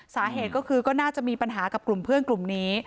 สาเหตุก็คือก็น่าจะมีปัญหากับกลุ่มเพื่อนกลุ่มนี้